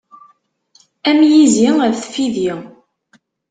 Am yizi af tfidi.